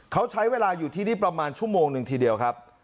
เขาใช้เวลาอยู่ที่นี่ประมาณชั่วโมงหนึ่งทีเดียวครับ